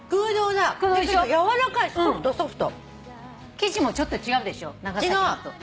生地もちょっと違うでしょ長崎のと。